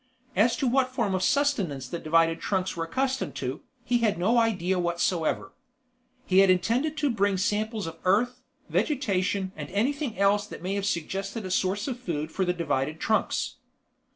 As to what form of sustenance the divided trunks were accustomed to, he had no idea whatsoever. He had intended to bring samples of earth, vegetation and anything else that may have suggested a source of food for the divided trunks.